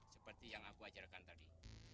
seperti yang aku ajarkan tadi